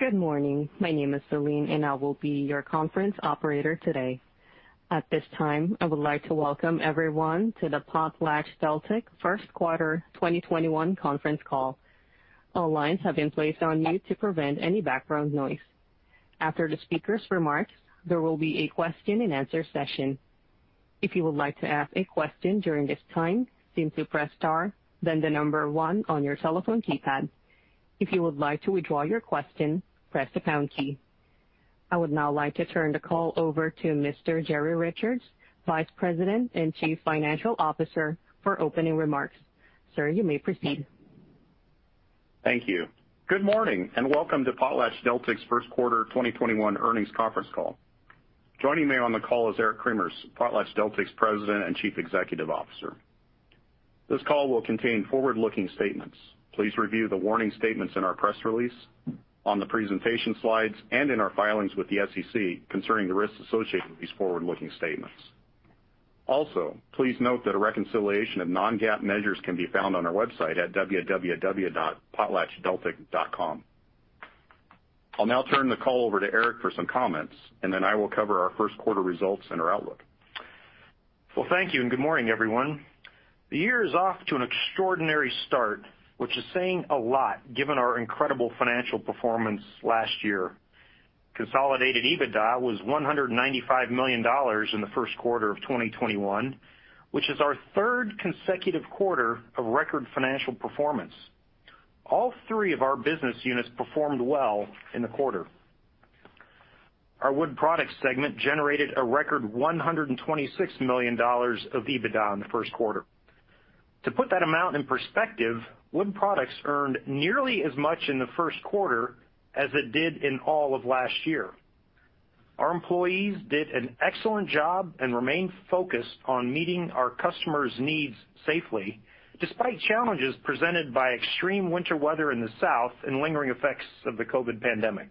Good morning. My name is Celine, and I will be your conference operator today. At this time, I would like to welcome everyone to the PotlatchDeltic first quarter 2021 conference call. All lines have been placed on mute to prevent any background noise. After the speaker's remark, there will be a question and answer session. If you would like to ask a question during this time, simply press star, then the number one on your telephone keypad. If you would like to withdraw your question, press the pound key. I would now like to turn the call over to Mr. Jerry Richards, Vice President and Chief Financial Officer, for opening remarks. Sir, you may proceed. Thank you. Good morning, and welcome to PotlatchDeltic's first-quarter 2021 earnings conference call. Joining me on the call is Eric Cremers, PotlatchDeltic's President and Chief Executive Officer. This call will contain forward-looking statements. Please review the warning statements in our press release, on the presentation slides, and in our filings with the SEC concerning the risks associated with these forward-looking statements. Also, please note that a reconciliation of non-GAAP measures can be found on our website at www.potlatchdeltic.com. I'll now turn the call over to Eric for some comments, and then I will cover our first quarter results and our outlook. Well, thank you, and good morning, everyone. The year is off to an extraordinary start, which is saying a lot given our incredible financial performance last year. Consolidated EBITDA was $195 million in Q1 2021, which is our third consecutive quarter of record financial performance. All three of our business units performed well in the quarter. Our Wood Products segment generated a record $126 million of EBITDA in the first quarter. To put that amount in perspective, Wood Products earned nearly as much in the first quarter as it did in all of last year. Our employees did an excellent job and remained focused on meeting our customers' needs safely, despite challenges presented by extreme winter weather in the South and lingering effects of the COVID pandemic.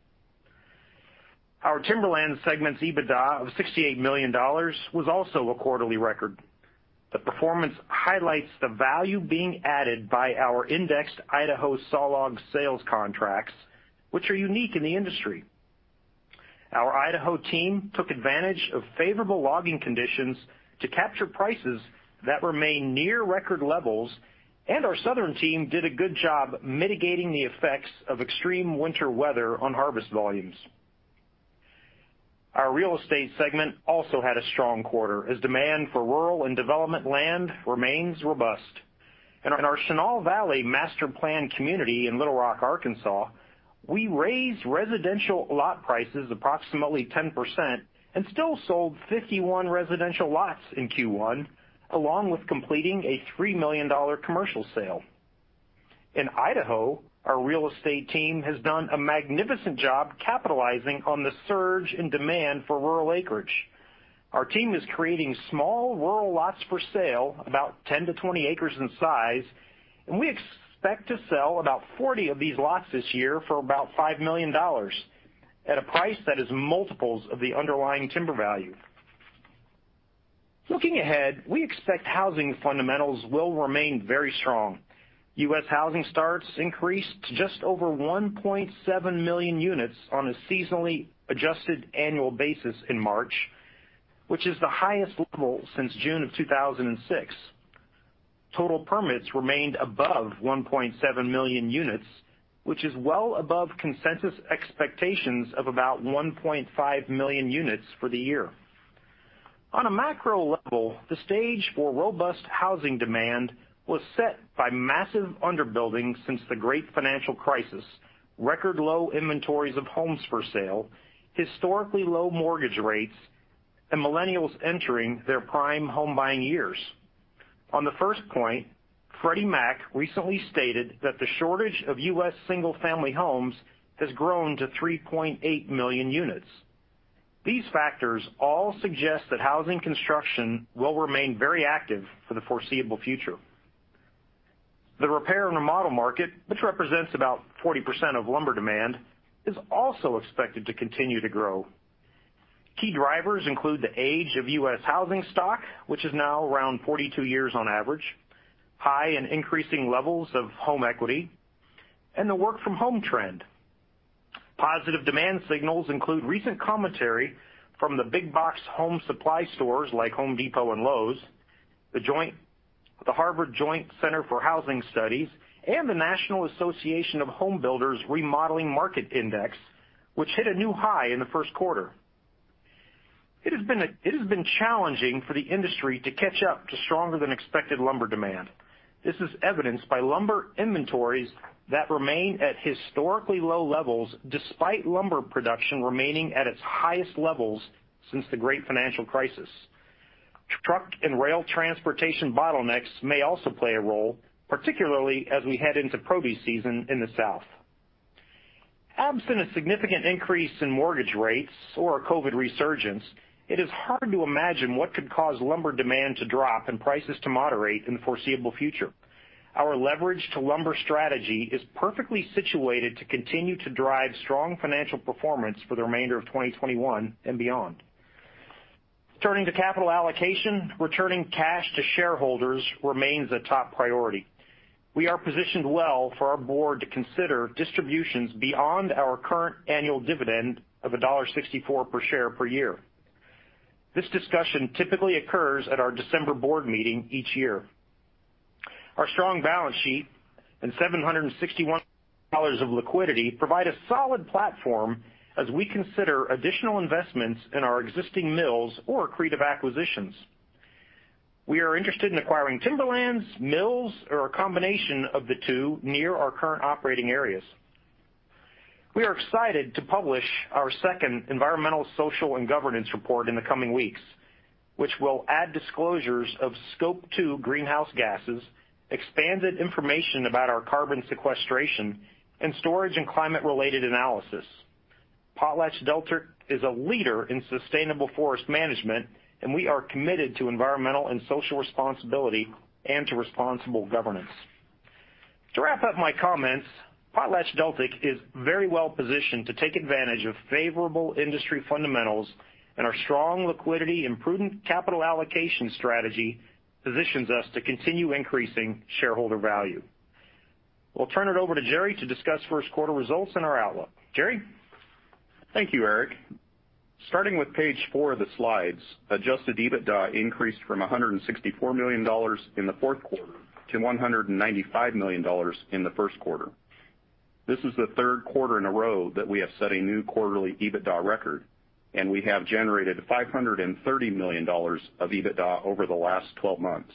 Our Timberland segment's EBITDA of $68 million was also a quarterly record. The performance highlights the value being added by our indexed Idaho sawlog sales contracts, which are unique in the industry. Our Idaho team took advantage of favorable logging conditions to capture prices that remain near record levels, and our Southern team did a good job mitigating the effects of extreme winter weather on harvest volumes. Our Real Estate segment also had a strong quarter, as demand for rural and development land remains robust. In our Chenal Valley master-planned community in Little Rock, Arkansas, we raised residential lot prices approximately 10% and still sold 51 residential lots in Q1, along with completing a $3 million commercial sale. In Idaho, our Real Estate team has done a magnificent job capitalizing on the surge in demand for rural acreage. Our team is creating small rural lots for sale, about 10-20 acres in size, and we expect to sell about 40 of these lots this year for about $5 million at a price that is multiples of the underlying timber value. Looking ahead, we expect housing fundamentals will remain very strong. U.S. housing starts increased to just over 1.7 million units on a seasonally adjusted annual basis in March, which is the highest level since June of 2006. Total permits remained above 1.7 million units, which is well above consensus expectations of about 1.5 million units for the year. On a macro level, the stage for robust housing demand was set by massive underbuilding since the great financial crisis, record low inventories of homes for sale, historically low mortgage rates, and millennials entering their prime home-buying years. On the first point, Freddie Mac recently stated that the shortage of U.S. single-family homes has grown to 3.8 million units. These factors all suggest that housing construction will remain very active for the foreseeable future. The repair and remodel market, which represents about 40% of lumber demand, is also expected to continue to grow. Key drivers include the age of U.S. housing stock, which is now around 42 years on average, high and increasing levels of home equity, and the work-from-home trend. Positive demand signals include recent commentary from the big-box home supply stores like Home Depot and Lowe's, the Harvard Joint Center for Housing Studies, and the National Association of Home Builders Remodeling Market Index, which hit a new high in the first quarter. It has been challenging for the industry to catch up to stronger-than-expected lumber demand. This is evidenced by lumber inventories that remain at historically low levels despite lumber production remaining at its highest levels since the great financial crisis. Truck and rail transportation bottlenecks may also play a role, particularly as we head into produce season in the South. Absent a significant increase in mortgage rates or a COVID resurgence, it is hard to imagine what could cause lumber demand to drop and prices to moderate in the foreseeable future. Our leverage to lumber strategy is perfectly situated to continue to drive strong financial performance for the remainder of 2021 and beyond. Turning to capital allocation, returning cash to shareholders remains a top priority. We are positioned well for our board to consider distributions beyond our current annual dividend of $1.64 per share per year. This discussion typically occurs at our December board meeting each year. Our strong balance sheet and $761 of liquidity provide a solid platform as we consider additional investments in our existing mills or accretive acquisitions. We are interested in acquiring timberlands, mills, or a combination of the two near our current operating areas. We are excited to publish our second environmental, social, and governance report in the coming weeks, which will add disclosures of Scope 2 greenhouse gases, expanded information about our carbon sequestration, and storage and climate-related analysis. PotlatchDeltic is a leader in sustainable forest management, and we are committed to environmental and social responsibility and to responsible governance. To wrap up my comments, PotlatchDeltic is very well-positioned to take advantage of favorable industry fundamentals, and our strong liquidity and prudent capital allocation strategy position us to continue increasing shareholder value. We'll turn it over to Jerry to discuss first quarter results and our outlook. Jerry? Thank you, Eric. Starting with page four of the slides, adjusted EBITDA increased from $164 million in the fourth quarter to $195 million in the first quarter. This is the third quarter in a row that we have set a new quarterly EBITDA record, and we have generated $530 million of EBITDA over the last 12 months.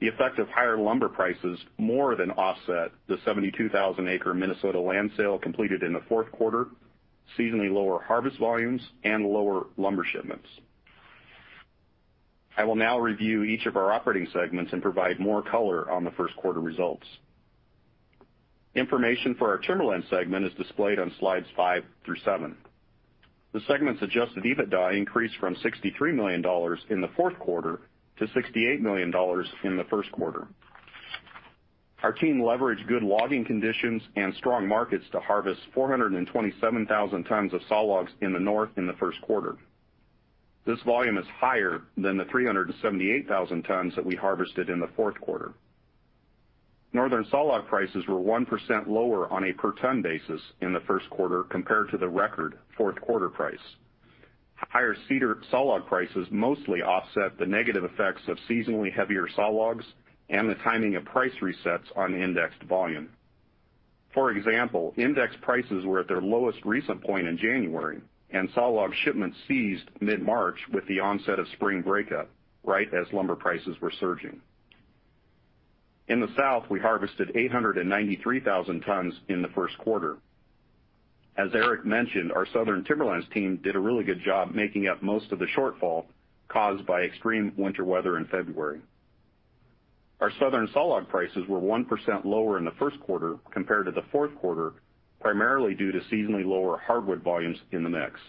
The effect of higher lumber prices more than offset the 72,000-acre Minnesota land sale completed in the fourth quarter, seasonally lower harvest volumes, and lower lumber shipments. I will now review each of our operating segments and provide more color on the first-quarter results. Information for our Timberland segment is displayed on slides five through seven. The segment's adjusted EBITDA increased from $63 million in the fourth quarter to $68 million in the first quarter. Our team leveraged good logging conditions and strong markets to harvest 427,000 tons of sawlogs in the North in the first quarter. This volume is higher than the 378,000 tons that we harvested in the fourth quarter. Northern sawlog prices were 1% lower on a per-ton basis in the first quarter compared to the record fourth-quarter price. Higher cedar sawlog prices mostly offset the negative effects of seasonally heavier sawlogs and the timing of price resets on indexed volume. For example, index prices were at their lowest recent point in January, and sawlog shipments ceased mid-March with the onset of spring breakup, right as lumber prices were surging. In the South, we harvested 893,000 tons in the first quarter. As Eric mentioned, our Southern Timberlands team did a really good job making up most of the shortfall caused by extreme winter weather in February. Our Southern sawlog prices were 1% lower in the first quarter compared to the fourth quarter, primarily due to seasonally lower hardwood volumes in the mix.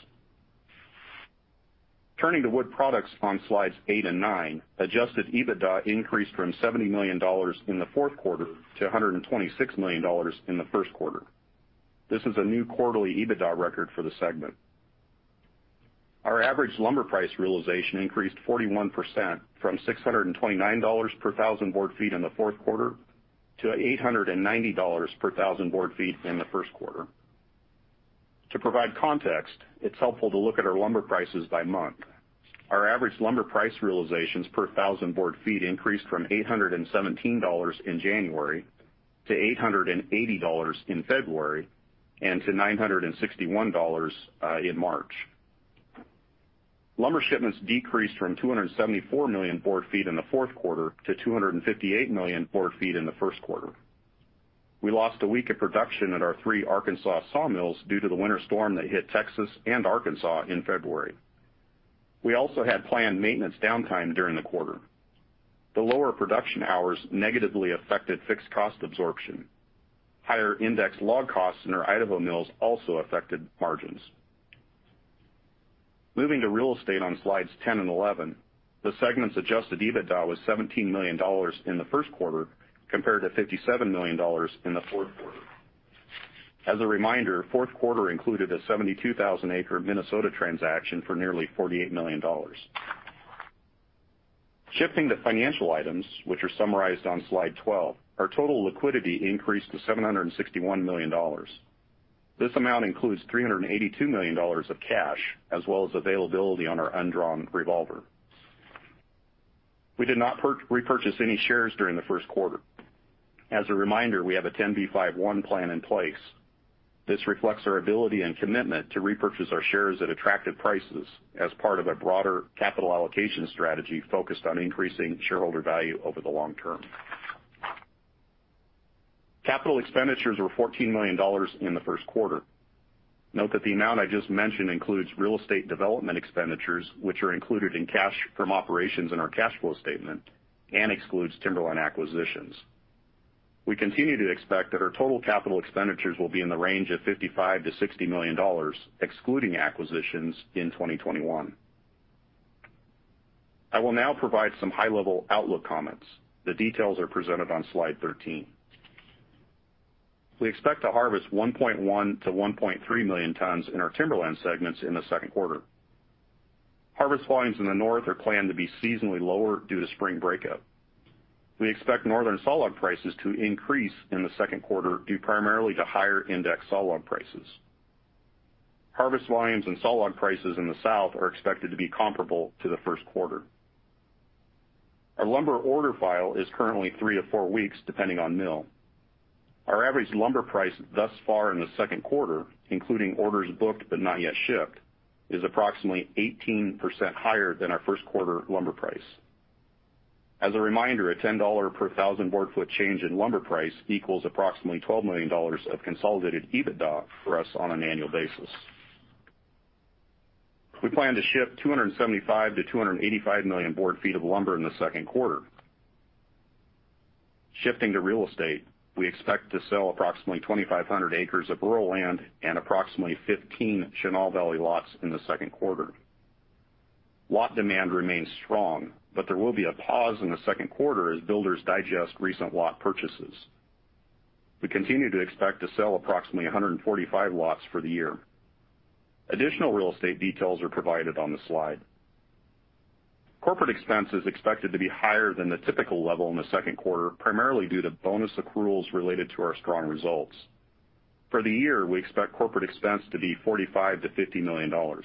Turning to Wood Products on slides eight and nine, adjusted EBITDA increased from $70 million in the fourth quarter to $126 million in the first quarter. This is a new quarterly EBITDA record for the segment. Our average lumber price realization increased 41% from $629 per thousand board feet in the fourth quarter to $890 per thousand board feet in the first quarter. To provide context, it's helpful to look at our lumber prices by month. Our average lumber price realizations per thousand board feet increased from $817 in January to $880 in February and to $961 in March. Lumber shipments decreased from 274 million board feet in the fourth quarter to 258 million board feet in the first quarter. We lost a week of production at our three Arkansas sawmills due to the winter storm that hit Texas and Arkansas in February. We also had planned maintenance downtime during the quarter. The lower production hours negatively affected fixed cost absorption. Higher indexed log costs in our Idaho mills also affected margins. Moving to Real Estate on slides 10 and 11, the segment's adjusted EBITDA was $17 million in the first quarter, compared to $57 million in the fourth quarter. As a reminder, fourth quarter included a 72,000-acre Minnesota transaction for nearly $48 million. Shifting to financial items, which are summarized on slide 12, our total liquidity increased to $761 million. This amount includes $382 million of cash, as well as availability on our undrawn revolver. We did not repurchase any shares during the first quarter. As a reminder, we have a 10b5-1 plan in place. This reflects our ability and commitment to repurchase our shares at attractive prices as part of a broader capital allocation strategy focused on increasing shareholder value over the long term. Capital expenditures were $14 million in the first quarter. Note that the amount I just mentioned includes real estate development expenditures, which are included in cash from operations in our cash flow statement and excludes timberland acquisitions. We continue to expect that our total capital expenditures will be in the range of $55 million-$60 million, excluding acquisitions in 2021. I will now provide some high-level outlook comments. The details are presented on slide 13. We expect to harvest 1.1 million-1.3 million tons in our timberland segments in the second quarter. Harvest volumes in the north are planned to be seasonally lower due to spring breakup. We expect Northern sawlog prices to increase in the second quarter due primarily to higher indexed sawlog prices. Harvest volumes and sawlog prices in the south are expected to be comparable to the first quarter. Our lumber order file is currently three-four weeks, depending on mill. Our average lumber price thus far in the second quarter, including orders booked but not yet shipped, is approximately 18% higher than our first quarter lumber price. As a reminder, a $10 per thousand board feet change in lumber price equals approximately $12 million of consolidated EBITDA for us on an annual basis. We plan to ship 275-285 million board feet of lumber in the second quarter. Shifting to real estate, we expect to sell approximately 2,500 acres of rural land and approximately 15 Chenal Valley lots in the second quarter. Lot demand remains strong, but there will be a pause in the second quarter as builders digest recent lot purchases. We continue to expect to sell approximately 145 lots for the year. Additional real estate details are provided on the slide. Corporate expense is expected to be higher than the typical level in the second quarter, primarily due to bonus accruals related to our strong results. For the year, we expect corporate expense to be $45 million-$50 million.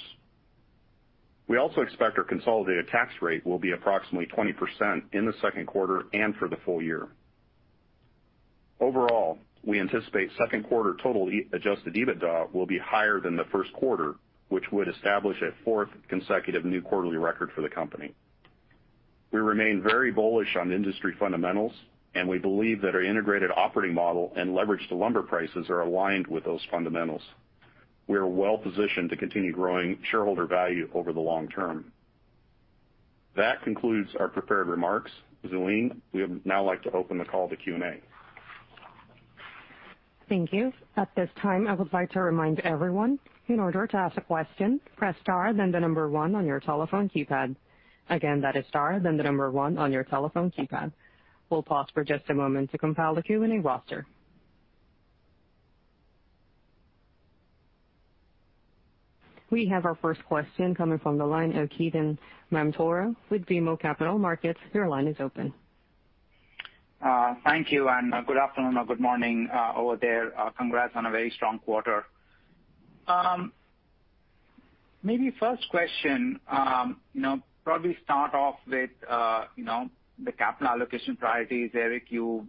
We also expect our consolidated tax rate will be approximately 20% in the second quarter and for the full year. Overall, we anticipate second quarter total adjusted EBITDA will be higher than the first quarter, which would establish a fourth consecutive new quarterly record for the company. We remain very bullish on industry fundamentals, and we believe that our integrated operating model and leverage to lumber prices are aligned with those fundamentals. We are well-positioned to continue growing shareholder value over the long term. That concludes our prepared remarks. Celine, we would now like to open the call to Q&A. Thank you. At this time, I would like to remind everyone, in order to ask a question, to press star then the number one on your telephone keypad. Again, that is the star, then the number one on your telephone keypad. We'll pause for just a moment to compile the Q&A roster. We have our first question coming from the line of Ketan Mamtora with BMO Capital Markets. Your line is open. Thank you. Good afternoon or good morning over there. Congrats on a very strong quarter. Maybe first question, probably start off with the capital allocation priorities. Eric, you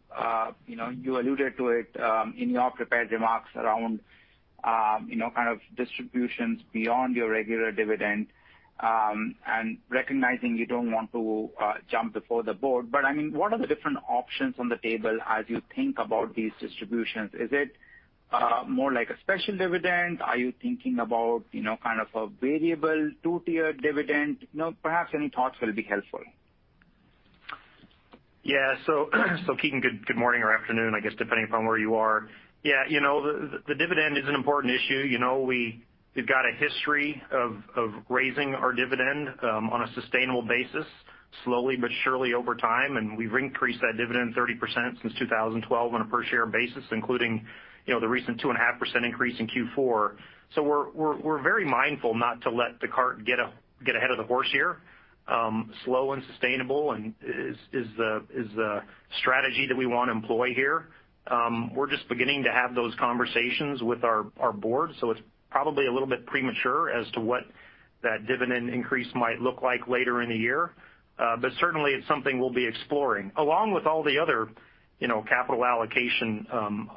alluded to it in your prepared remarks around distributions beyond your regular dividend, and recognizing you don't want to jump before the board. What are the different options on the table as you think about these distributions? Is it more like a special dividend? Are you thinking about a variable two-tiered dividend? Perhaps any thoughts will be helpful. Yeah. Ketan, good morning or afternoon, I guess, depending upon where you are. Yeah, the dividend is an important issue. We've got a history of raising our dividend on a sustainable basis slowly but surely over time, and we've increased that dividend 30% since 2012 on a per-share basis, including the recent 2.5% increase in Q4. We're very mindful not to let the cart get ahead of the horse here. Slow and sustainable is the strategy that we want to employ here. We're just beginning to have those conversations with our board; it's probably a little bit premature as to what that dividend increase might look like later in the year. Certainly it's something we'll be exploring along with all the other capital allocation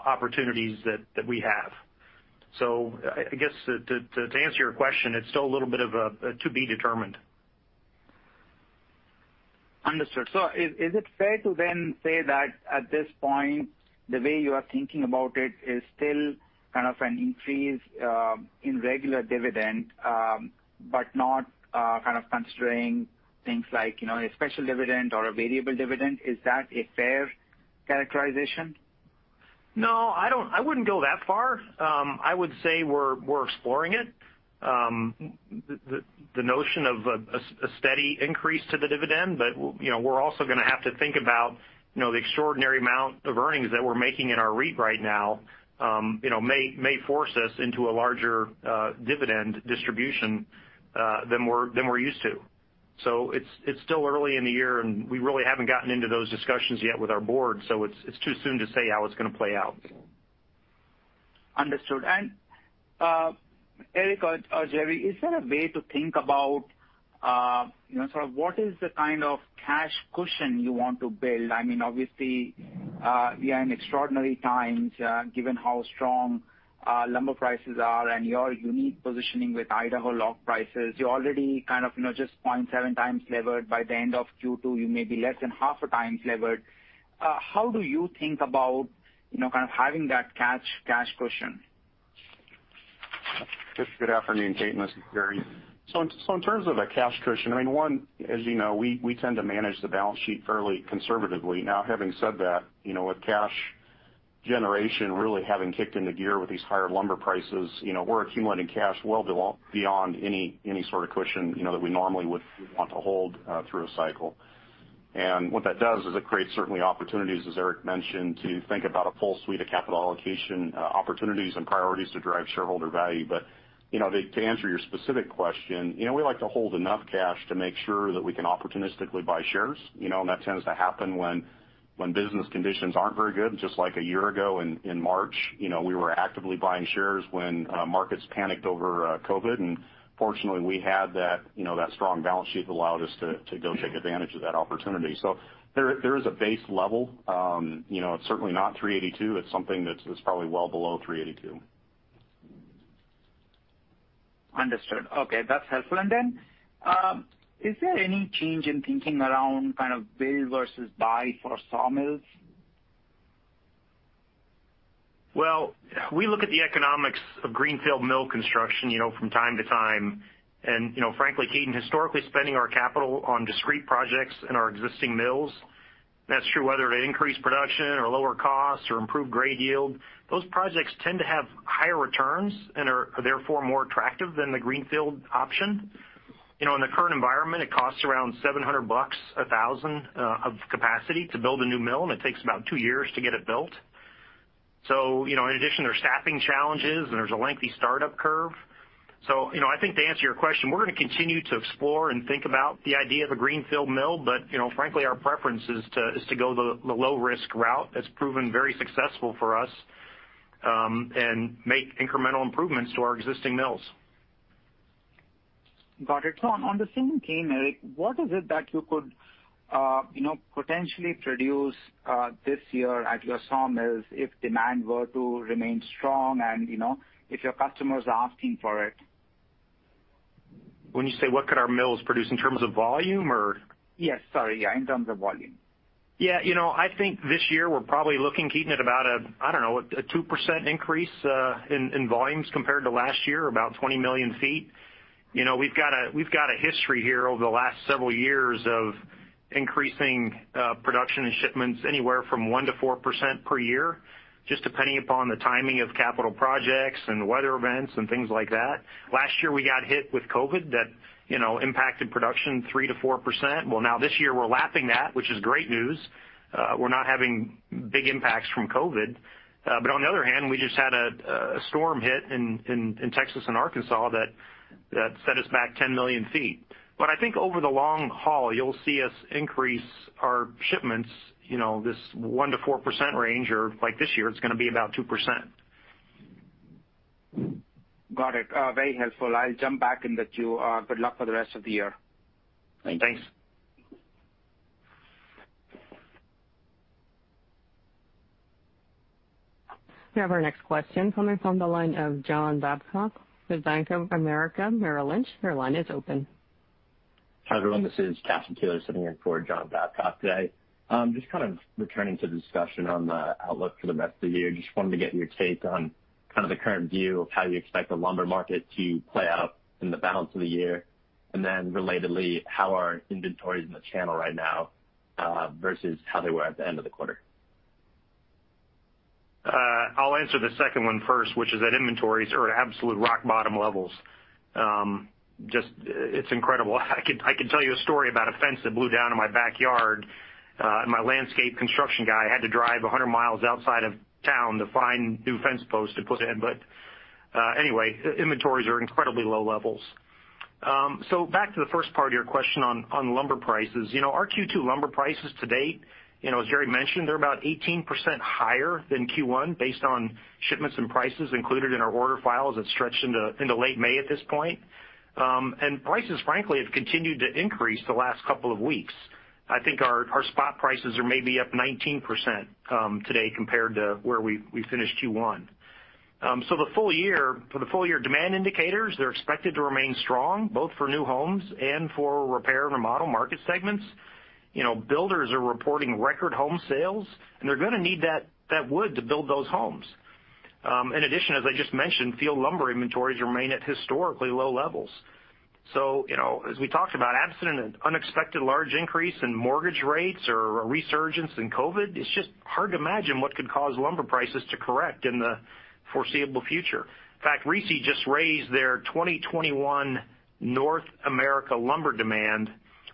opportunities that we have. I guess to answer your question, it's still a little bit of a to be determined. Understood. Is it fair to then say that at this point, the way you are thinking about it is still kind of an increase in regular dividends but not considering things like a special dividend or a variable dividend? Is that a fair characterization? No. I wouldn't go that far. I would say we're exploring it, the notion of a steady increase to the dividend. We're also going to have to think about the extraordinary amount of earnings that we're making in our REIT right now may force us into a larger dividend distribution than we're used to. It's still early in the year, and we really haven't gotten into those discussions yet with our board, so it's too soon to say how it's going to play out. Understood. Eric or Jerry, is there a way to think about what kind of cash cushion you want to build? Obviously, we are in extraordinary times given how strong lumber prices are and your unique positioning with Idaho log prices. You're already just 0.7x leveraged by the end of Q2. You may be less than half a time levered. How do you think about having that cash cushion? Ketan, good afternoon. Ketan, this is Jerry. In terms of a cash cushion, one, as you know, we tend to manage the balance sheet fairly conservatively. Now, having said that, with cash generation really having kicked into gear with these higher lumber prices, we're accumulating cash well beyond any sort of cushion that we normally would want to hold through a cycle. What that does is it creates certain opportunities, as Eric mentioned, to think about a full suite of capital allocation opportunities and priorities to drive shareholder value. To answer your specific question, we like to hold enough cash to make sure that we can opportunistically buy shares, and that tends to happen when business conditions aren't very good, just like a year ago in March. We were actively buying shares when markets panicked over COVID. Fortunately, we had that strong balance sheet that allowed us to go take advantage of that opportunity. There is a base level. It's certainly not 382. It's something that's probably well below 382. Understood. Okay. That's helpful. Is there any change in thinking around kind of build versus buy for Sawmills? Well, we look at the economics of greenfield mill construction from time to time, and frankly, Ketan, historically spending our capital on discrete projects in our existing mills is true whether they increase production or lower costs or improve grade yield. Those projects tend to have higher returns and are therefore more attractive than the greenfield option. In the current environment, it costs around $700,000 of capacity to build a new mill, and it takes about two years to get it built. In addition, there are staffing challenges, and there's a lengthy startup curve. I think to answer your question, we're going to continue to explore and think about the idea of a greenfield mill, but frankly, our preference is to go the low-risk route that's proven very successful for us and make incremental improvements to our existing mills. Got it. On the same theme, Eric, what is it that you could potentially produce this year at your sawmills if demand were to remain strong and if your customers are asking for it? When you say what could our mills produce? in terms of volume or- Yes. Sorry. Yeah, in terms of volume. Yeah. I think this year we're probably looking, Ketan, at about a, I don't know, a 2% increase in volumes compared to last year, about 20 million feet. We've got a history here over the last several years of increasing production and shipments anywhere from 1%-4% per year, just depending upon the timing of capital projects and weather events and things like that. Last year, we got hit with COVID that impacted production by 3%-4%. Well, now this year we're lapping that, which is great news. We're not having big impacts from COVID. On the other hand, we just had a storm hit in Texas and Arkansas that set us back 10 million feet. I think over the long haul, you'll see us increase our shipments in this 1%-4% range, or like this year, it's going to be about 2%. Got it. Very helpful. I'll jump back and wish you good luck for the rest of the year. Thanks. Thanks. We have our next question coming from the line of John Babcock with Bank of America Merrill Lynch. Your line is open. Hi, everyone, this is Charlie Taylor sitting in for John Babcock today. Just kind of returning to the discussion on the outlook for the rest of the year. Just wanted to get your take on kind of the current view of how you expect the lumber market to play out in the balance of the year, and then relatedly, how are inventories in the channel right now versus how they were at the end of the quarter? I'll answer the second one first, which is that inventories are at absolute rock-bottom levels. Just, it's incredible. I could tell you a story about a fence that blew down in my backyard. My landscape construction guy had to drive 100 miles outside of town to find new fence posts to put in. Anyway, inventories are at incredibly low levels. Back to the first part of your question on lumber prices. Our Q2 lumber prices to date, as Jerry mentioned, are about 18% higher than Q1 based on shipments and prices included in our order files that stretch into late May at this point. Prices, frankly, have continued to increase the last couple of weeks. I think our spot prices are maybe up 19% today compared to where we finished Q1. For the full year demand indicators, they're expected to remain strong both for new homes and for repair and remodel market segments. Builders are reporting record home sales, and they're going to need that wood to build those homes. In addition, as I just mentioned, field lumber inventories remain at historically low levels. As we talked about, absent an unexpected large increase in mortgage rates or a resurgence in COVID, it's just hard to imagine what could cause lumber prices to correct in the foreseeable future. In fact, RISI just raised their 2021 North America lumber demand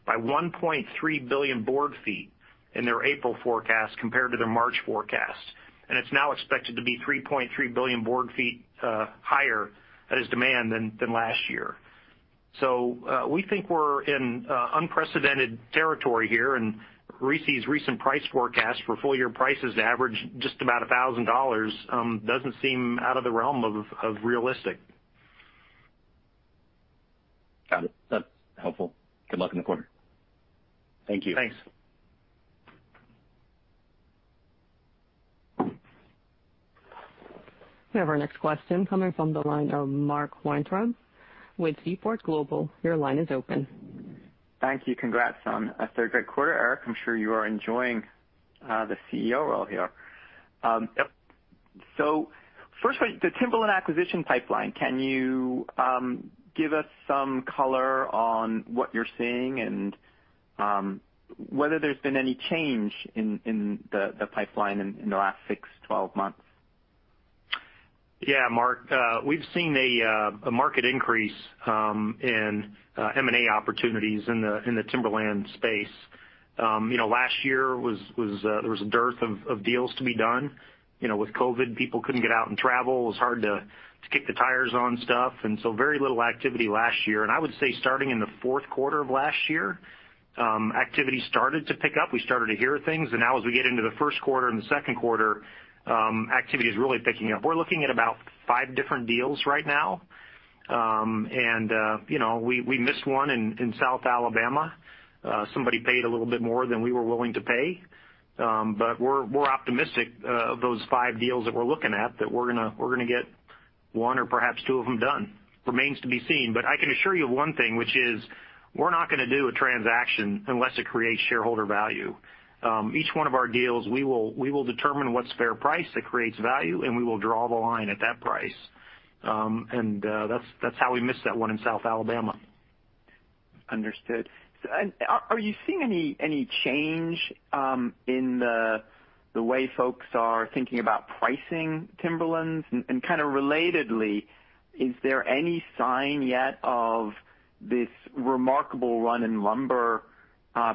by 1.3 billion board feet in their April forecast compared to their March forecast, and it's now expected to be 3.3 billion board feet higher as demand than last year. We think we're in unprecedented territory here, and RISI's recent price forecast for full-year prices to average just about $1,000 doesn't seem out of the realm of realistic. Got it. That's helpful. Good luck in the quarter. Thank you. Thanks. We have our next question coming from the line of Mark Weintraub with Seaport Global. Your line is open. Thank you. Congrats on a third great quarter, Eric. I'm sure you are enjoying the CEO role here. Yep. Firstly, the Timberland acquisition pipeline, can you give us some color on what you're seeing and whether there's been any change in the pipeline in the last six to 12 months? Yeah, Mark. We've seen a market increase in M&A opportunities in the timberland space. Last year there was a dearth of deals to be done. With COVID, people couldn't get out and travel. It was hard to kick the tires on stuff, and so very little activity last year. I would say starting in the fourth quarter of last year activity started to pick up. We started to hear things, and now as we get into the first quarter and the second quarter, activity is really picking up. We're looking at about five different deals right now. We missed one in South Alabama. Somebody paid a little bit more than we were willing to pay. We're optimistic of those five deals that we're looking at, that we're going to get one or perhaps two of them done. Remains to be seen, but I can assure you of one thing, which is we're not going to do a transaction unless it creates shareholder value. Each one of our deals, we will determine what's a fair price that creates value, and we will draw the line at that price. That's how we missed that one in South Alabama. Understood. Are you seeing any change in the way folks are thinking about pricing timberlands? And kind of relatedly, is there any sign yet of this remarkable run in lumber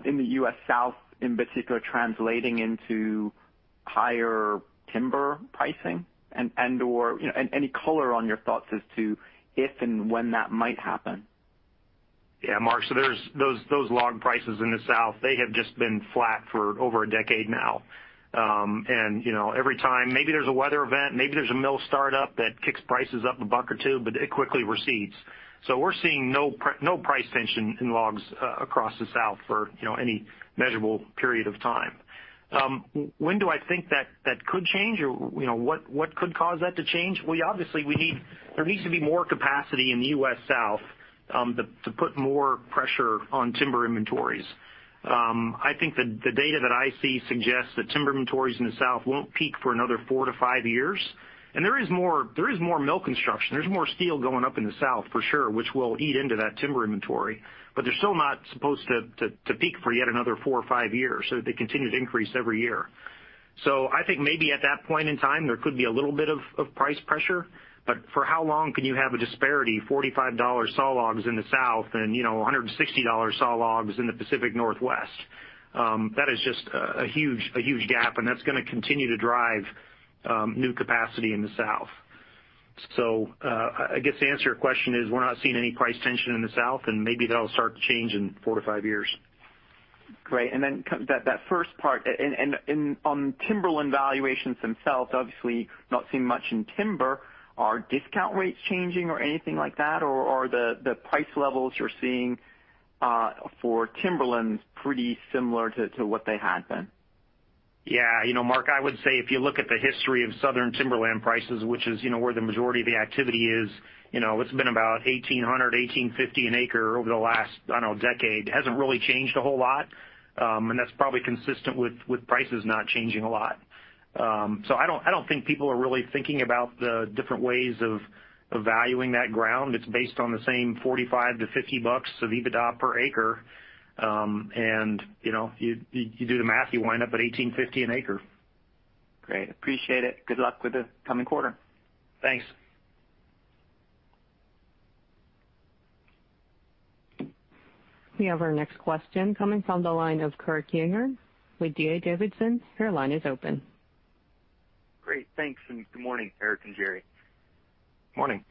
in the U.S. South, in particular, translating into higher timber pricing, and or any color on your thoughts as to if and when that might happen? Yeah, Mark. Those log prices in the South have just been flat for over a decade now. Every time maybe there's a weather event, maybe there's a mill startup that kicks prices up $1 or $2, but it quickly recedes. We're seeing no price tension in logs across the South for any measurable period of time. When do I think that that could change or what could cause that to change? Obviously, there needs to be more capacity in the U.S. South to put more pressure on timber inventories. I think the data that I see suggests that timber inventories in the South won't peak for another 4-5 years. There is more mill construction. There's more steel going up in the South, for sure, which will eat into that timber inventory. They're still not supposed to peak for yet another four or five years, so they continue to increase every year. I think maybe at that point in time, there could be a little bit of price pressure, but for how long can you have a disparity of $45 sawlogs in the South and $160 sawlogs in the Pacific Northwest? That is just a huge gap, and that's going to continue to drive new capacity in the South. I guess to answer your question is we're not seeing any price tension in the South, and maybe that'll start to change in four-five years. Great. Then that first part on timberland valuations themselves, obviously not seeing much in timber. Are discount rates changing or anything like that? Are the price levels you're seeing for timberlands pretty similar to what they had been? Yeah. Mark, I would say if you look at the history of Southern timberland prices, which is where the majority of the activity is, it's been about $1,800, $1,850 an acre over the last, I don't know, decade. Hasn't really changed a whole lot. That's probably consistent with prices not changing a lot. I don't think people are really thinking about the different ways of valuing that ground. It's based on the same $45-$50 of EBITDA per acre. You do the math, and you wind up at $1,850 an acre. Great. Appreciate it. Good luck with the coming quarter. Thanks. We have our next question coming from the line of Kurt Yinger with D.A. Davidson. Great. Thanks, good morning, Eric and Jerry. Morning.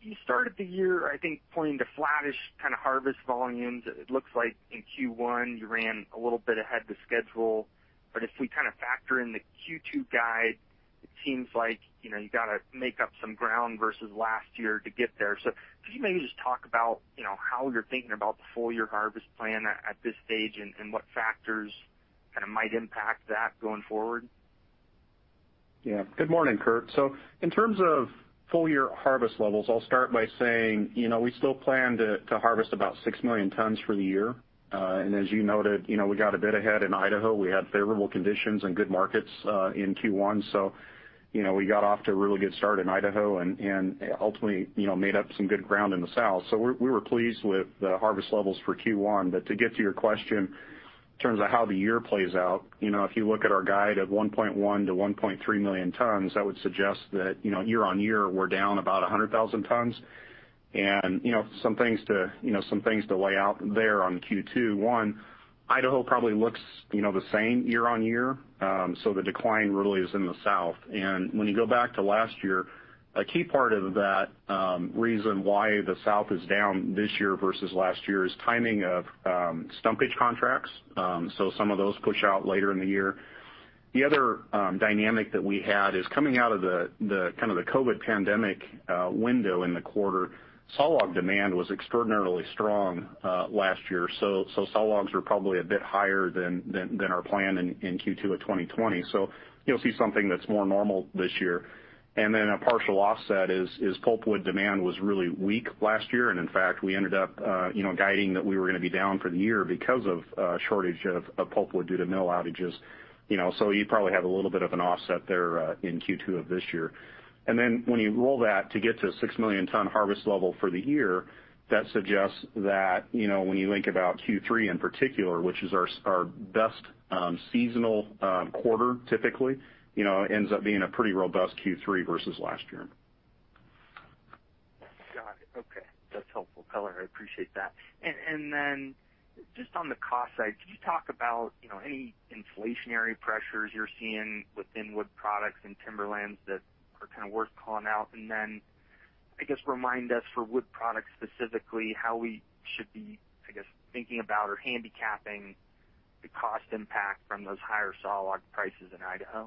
You started the year, I think, pointing to flat-ish kind of harvest volumes. It looks like in Q1 you ran a little bit ahead of schedule, but if we kind of factor in the Q2 guide, it seems like you got to make up some ground versus last year to get there. Could you maybe just talk about how you're thinking about the full-year harvest plan at this stage and what factors kind of might impact that going forward? Good morning, Kurt. In terms of full-year harvest levels, I will start by saying we still plan to harvest about 6 million tons for the year. As you noted, we got a bit ahead in Idaho. We had favorable conditions and good markets in Q1; we got off to a really good start in Idaho and ultimately made up some good ground in the South. We were pleased with the harvest levels for Q1. To get to your question in terms of how the year plays out, if you look at our guide of 1.1 million to 1.3 million tons, that would suggest that year-on-year we are down about 100,000 tons. Some things to lay out there on Q2: First, Idaho probably looks the same year-on-year. The decline really is in the South. When you go back to last year, a key part of that reason why the South is down this year versus last year is the timing of stumpage contracts. Some of those push out later in the year. The other dynamic that we had is coming out of the kind of the COVID pandemic window in the quarter; sawlog demand was extraordinarily strong last year. Sawlogs were probably a bit higher than our plan in Q2 of 2020. You'll see something that's more normal this year. Then a partial offset is that pulpwood demand was really weak last year. In fact, we ended up explaining that we were going to be down for the year because of a shortage of pulpwood due to mill outages. You probably have a little bit of an offset there in Q2 of this year. When you roll that to get to a 6 million-ton harvest level for the year, that suggests that when you think about Q3 in particular, which is our best seasonal quarter typically, it ends up being a pretty robust Q3 versus last year. Okay. That's helpful, color. I appreciate that. Just on the cost side, can you talk about any inflationary pressures you're seeing within Wood Products and Timberlands that are kind of worth calling out? I guess remind us for Wood Products specifically how we should be, I guess, thinking about or handicapping the cost impact from those higher sawlog prices in Idaho? Yeah.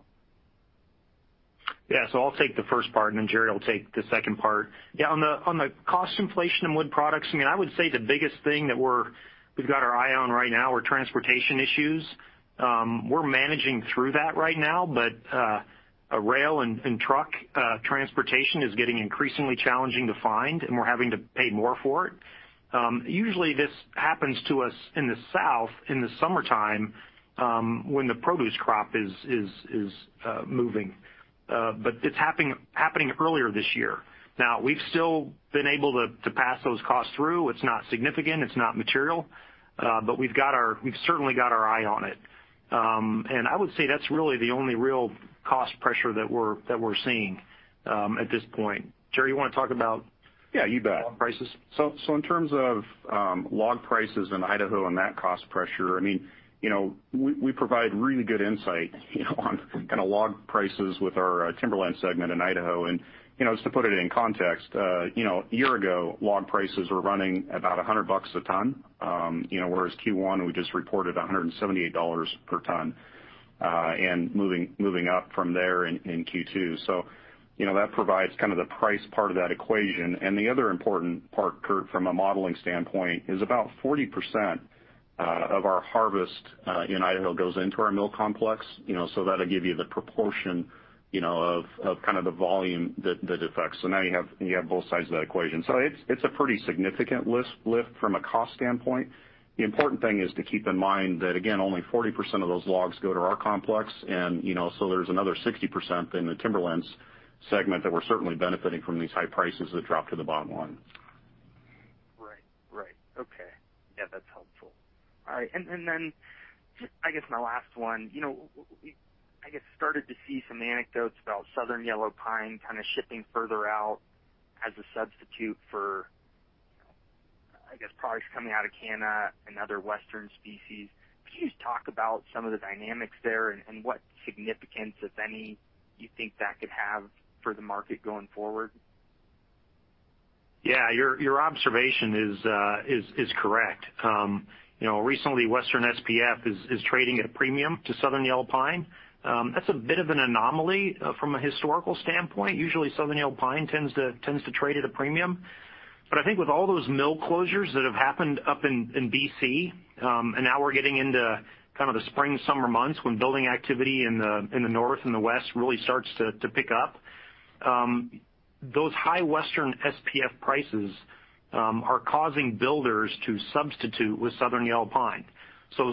I'll take the first part, and then Jerry will take the second part. Yeah, on the cost inflation in Wood Products, I would say the biggest thing that we've got our eye on right now are transportation issues. We're managing through that right now; rail and truck transportation is getting increasingly challenging to find, and we're having to pay more for it. Usually this happens to us in the South in the summertime, when the produce crop is moving; it's happening earlier this year. We've still been able to pass those costs through. It's not significant, it's not material, we've certainly got our eye on it. I would say that's really the only real cost pressure that we're seeing at this point. Jerry, you want to talk about that? Yeah, you bet. log prices? In terms of log prices in Idaho and that cost pressure, we provide really good insight on kind of log prices with our Timberland segment in Idaho. Just to put it in context, a year ago, log prices were running about $100 a ton, whereas in Q1 we just reported $178 per ton and are moving up from there in Q2. That provides kind of the price part of that equation. The other important part, Kurt, from a modeling standpoint, is about 40% of our harvest in Idaho goes into our mill complex. That'll give you the proportion of kind of the volume that it affects. Now you have both sides of that equation. It's a pretty significant lift from a cost standpoint. The important thing is to keep in mind that, again, only 40% of those logs go to our complex, and so there's another 60% in the Timberlands segment that we're certainly benefiting from these high prices that drop to the bottom line. Right. Okay. Yeah, that's helpful. All right. Then I guess my last one. We, I guess, started to see some anecdotes about Southern Yellow Pine kind of shifting further out as a substitute for, I guess, products coming out of Canada and other Western species. Could you just talk about some of the dynamics there and what significance, if any, you think that could have for the market going forward? Yeah, your observation is correct. Recently Western SPF is trading at a premium to Southern Yellow Pine. That's a bit of an anomaly from a historical standpoint. Usually Southern Yellow Pine tends to trade at a premium. I think with all those mill closures that have happened up in B.C., and now we're getting into kind of the spring, summer months when building activity in the North and the West really starts to pick up. Those high Western SPF prices are causing builders to substitute with Southern Yellow Pine.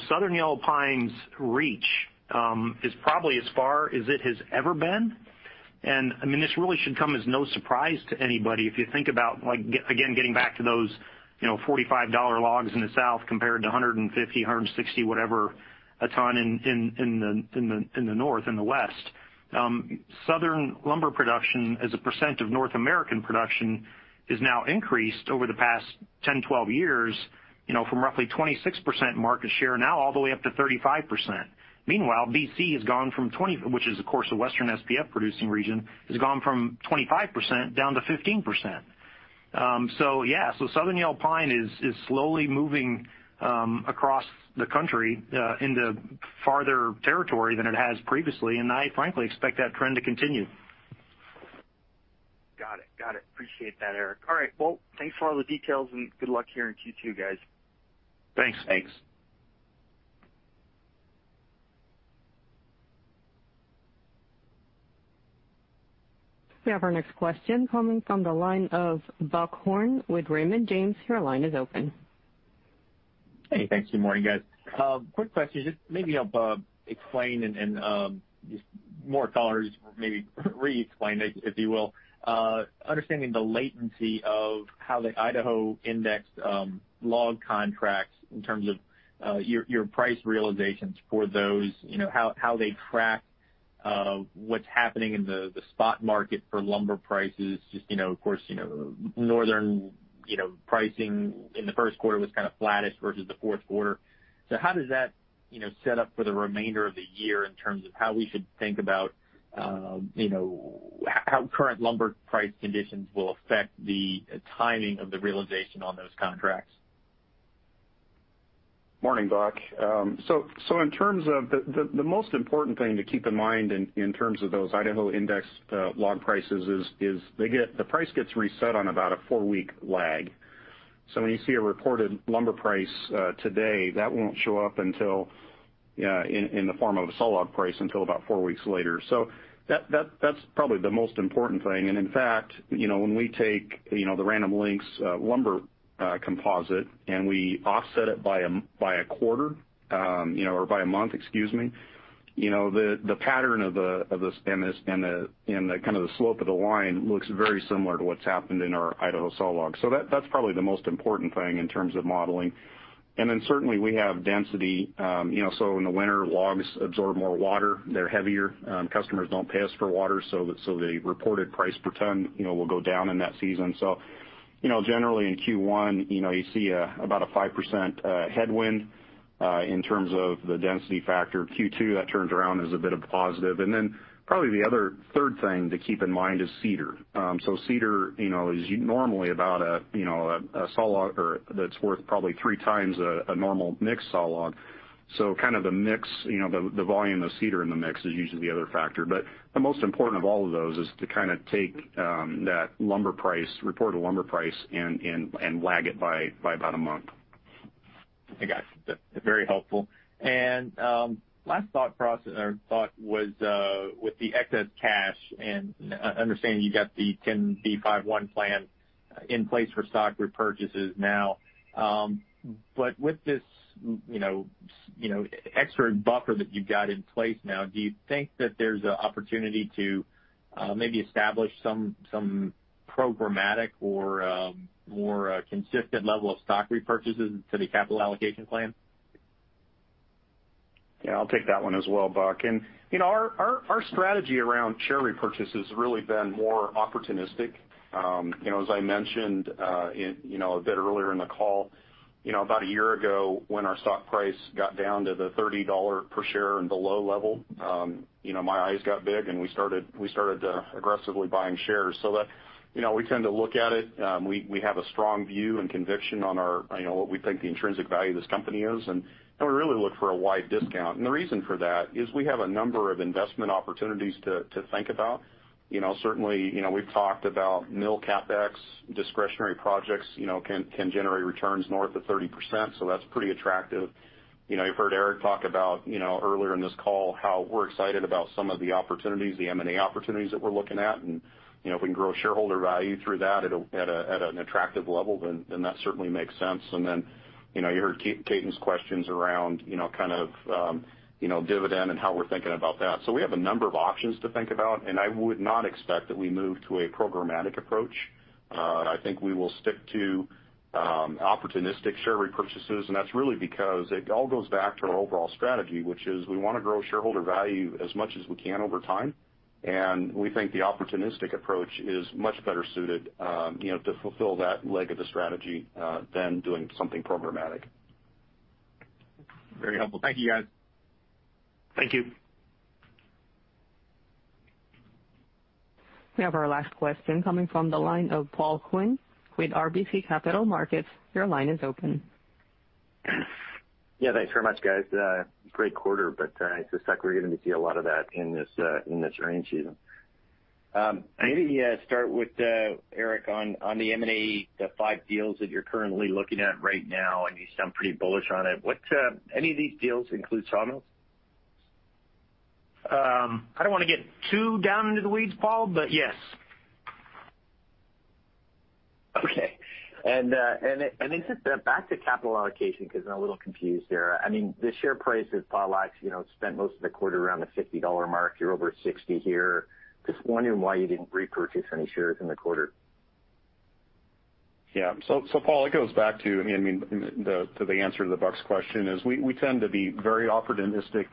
Southern Yellow Pine's reach is probably as far as it has ever been. This really should come as no surprise to anybody if you think about like, again, getting back to those $45 logs in the South compared to 150, 160, whatever a ton in the North and the West. Southern lumber production as a percent of North American production has now increased over the past 10-12 years, from roughly 26% market share now all the way up to 35%. Meanwhile, BC has gone from 20%, which is, of course, a Western SPF-producing region, has gone from 25% down to 15%. Yeah, Southern Yellow Pine is slowly moving across the country into farther territory than it has previously, and I frankly expect that trend to continue. Got it. Appreciate that, Eric. All right. Well, thanks for all the details and good luck here in Q2, guys. Thanks. Thanks. We have our next question coming from the line of Buck Horne with Raymond James. Your line is open. Hey, thanks. Good morning, guys. Quick question, maybe just help explain more colors or maybe re-explain it, if you will. Understanding the latency of how the Idaho indexed log contracts in terms of your price realizations for those and how they track what's happening in the spot market for lumber prices. Of course, Northern pricing in the first quarter was kind of flatter versus the fourth quarter. How does that set up for the remainder of the year in terms of how we should think about how current lumber price conditions will affect the timing of the realization of those contracts? Morning, Buck. In terms of the most important thing to keep in mind in terms of those Idaho-indexed log prices is the price gets reset on about a four-week lag. When you see a reported lumber price today, that won't show up in the form of a sawlog price until about four weeks later. That's probably the most important thing. In fact, when we take the Random Lengths lumber composite and we offset it by a quarter, or by a month, excuse me, the pattern and the kind of the slope of the line look very similar to what's happened in our Idaho sawlog. That's probably the most important thing in terms of modeling. Then certainly we have density. In the winter, logs absorb more water. They're heavier. Customers don't pay us for water, so the reported price per ton will go down in that season. Generally in Q1, you see about a 5% headwind in terms of the density factor. Q2, which turns around as a bit of a positive. Probably the other third thing to keep in mind is cedar. Cedar is normally about a sawlog that's worth probably 3x a normal mixed sawlog. The volume of cedar in the mix is usually the other factor. The most important of all of those is to take that reported lumber price and lag it by about a month. I got it. Very helpful. Last thought was with the excess cash and understanding you got the 10b5-1 plan in place for stock repurchases now. With this extra buffer that you've got in place now, do you think that there's an opportunity to maybe establish some programmatic or more consistent level of stock repurchases in the capital allocation plan? I'll take that one as well, Buck. Our strategy around share repurchase has really been more opportunistic. As I mentioned a bit earlier in the call, about a year ago when our stock price got down to the $30 per share and below level, my eyes got big, and we started aggressively buying shares. We tend to look at it. We have a strong view and conviction on what we think the intrinsic value of this company is, and we really look for a wide discount. The reason for that is we have a number of investment opportunities to think about. Certainly, we've talked about mill CapEx; discretionary projects can generate returns north of 30%, so that's pretty attractive. You've heard Eric talk about earlier in this call how we're excited about some of the opportunities, the M&A opportunities that we're looking at, and if we can grow shareholder value through that at an attractive level, then that certainly makes sense. Then, you heard Ketan's questions around dividends and how we're thinking about that. We have a number of options to think about, and I would not expect that we move to a programmatic approach. I think we will stick to opportunistic share repurchases, and that's really because it all goes back to our overall strategy, which is we want to grow shareholder value as much as we can over time, and we think the opportunistic approach is much better suited to fulfill that leg of the strategy than doing something programmatic. Very helpful. Thank you, guys. Thank you. We have our last question coming from the line of Paul Quinn with RBC Capital Markets. Your line is open. Yeah, thanks very much, guys. Great quarter. It's just like we're going to see a lot of that in this earnings season. Maybe start with Eric on the M&A, the five deals that you're currently looking at right now. You sound pretty bullish on it. Any of these deals include sawmills? I don't want to get too down into the weeds, Paul, but yes. Okay. Just back to capital allocation, because I'm a little confused there. The share price of Potlatch spent most of the quarter around the $50 mark. You're over $60 here. Just wondering why you didn't repurchase any shares in the quarter. Yeah. Paul, it goes back to the answer to Buck's question is we tend to be very opportunistic.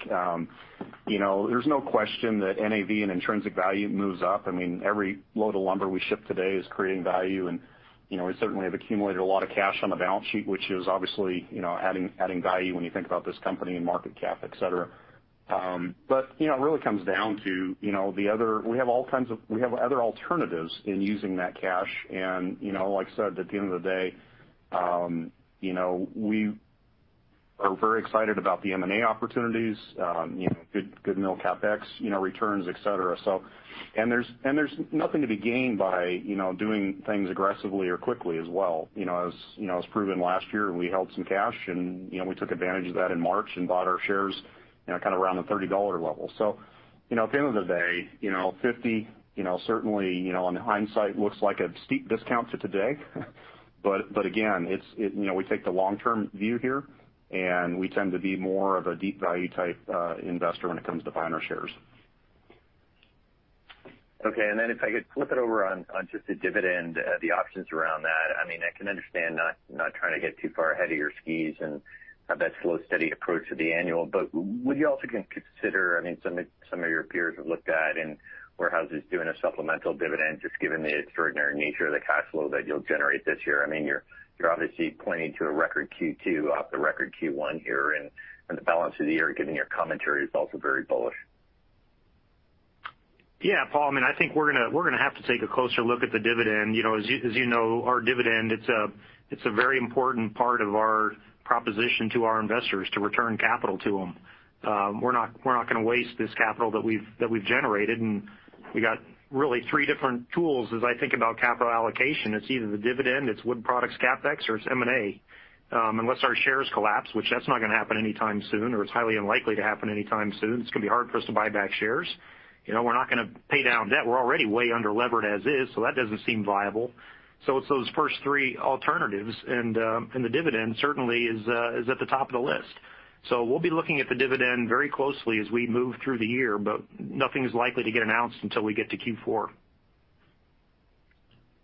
There's no question that NAV and intrinsic value move up. Every load of lumber we ship today is creating value, and we certainly have accumulated a lot of cash on the balance sheet, which is obviously adding value when you think about this company and market cap, et cetera. It really comes down to we have other alternatives in using that cash, and like I said, at the end of the day we are very excited about the M&A opportunities, good mill CapEx returns, et cetera. There's nothing to be gained by doing things aggressively or quickly as well. As proven last year, we held some cash, and we took advantage of that in March and bought our shares around the $30 level. At the end of the day, $50 certainly, in hindsight, looks like a steep discount to today. Again, we take the long-term view here, and we tend to be more of a deep value-type investor when it comes to buying our shares. Okay. If I could flip it over on just the dividend, the options are around that. I can understand not trying to get too far ahead of your skis and that slow, steady approach to the annual. Would you also consider that some of your peers have looked at REITs doing a supplemental dividend, just given the extraordinary nature of the cash flow that you'll generate this year? You're obviously pointing to a record Q2 over the record Q1 here; the balance of the year, given your commentary, is also very bullish. Paul, I think we're going to have to take a closer look at the dividend. As you know, our dividend is a very important part of our proposition to our investors to return capital to them. We're not going to waste this capital that we've generated; we got three really different tools as I think about capital allocation. It's either the dividend, it's Wood Products CapEx, or it's M&A. Unless our shares collapse, which is not going to happen anytime soon, or it's highly unlikely to happen anytime soon, it's going to be hard for us to buy back shares. We're not going to pay down debt. We're already way under-leveraged as is; that doesn't seem viable. It's those first three alternatives; the dividend certainly is at the top of the list. We'll be looking at the dividend very closely as we move through the year, but nothing is likely to get announced until we get to Q4.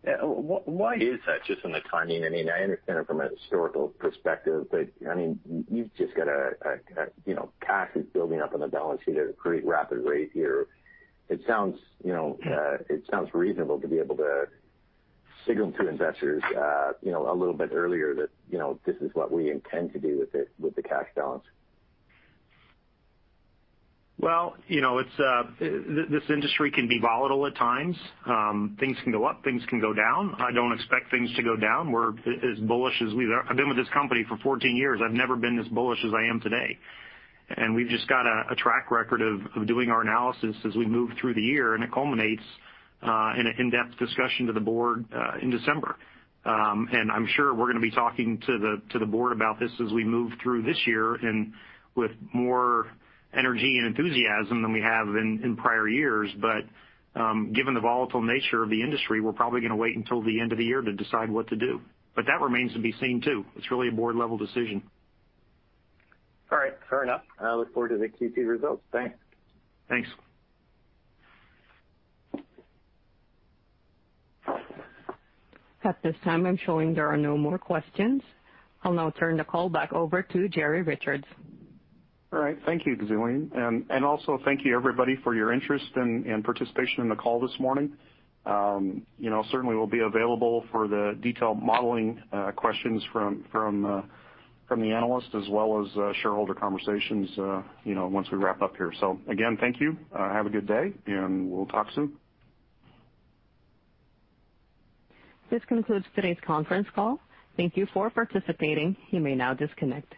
Why is that? Just from the timing. I understand it from a historical perspective, you've just got a cash is building up on the balance sheet at a pretty rapid rate here. It sounds reasonable to be able to signal to investors a little bit earlier that this is what we intend to do with the cash balance. Well, this industry can be volatile at times. Things can go up, things can go down. I don't expect things to go down. We're as bullish as I've been with this company for 14 years. I've never been as bullish as I am today. We've just got a track record of doing our analysis as we move through the year, and it culminates in an in-depth discussion with the board in December. I'm sure we're going to be talking to the board about this as we move through this year with more energy and enthusiasm than we have in prior years. Given the volatile nature of the industry, we're probably going to wait until the end of the year to decide what to do. That remains to be seen, too. It's really a board-level decision. All right. Fair enough. I look forward to the Q2 results. Thanks. Thanks. At this time, I'm showing there are no more questions. I'll now turn the call back over to Jerry Richards. All right. Thank you, Celine. Also, thank you, everybody, for your interest and participation in the call this morning. Certainly, we'll be available for the detailed modeling questions from the analyst as well as shareholder conversations once we wrap up here. Again, thank you. Have a good day, and we'll talk soon. This concludes today's conference call. Thank you for participating. You may now disconnect.